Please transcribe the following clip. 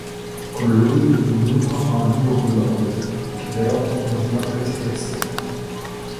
Con lui, il Bruno ha un lungo colloquio, che però non sblocca la situazione.